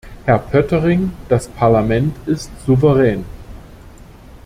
Herr Poettering, das Parlament ist souverän.